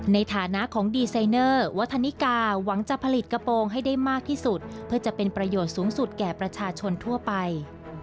ในฐานะของดีไซเนอร์วัฒนิกาหวังจะผลิตกระโปรงให้ได้มากที่สุดเพื่อจะเป็นประโยชน์สูงสุดแก่ประชาชนทั่วไป